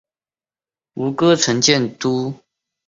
阇耶跋摩三世在吴哥城建都。